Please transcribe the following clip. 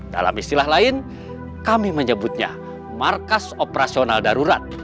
dalam istilah lain kami menyebutnya markas operasional darurat